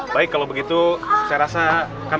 baik kalau begitu saya rasa kami harus ke bawah